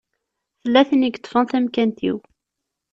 Tella tin i yeṭṭfen tamkant-iw.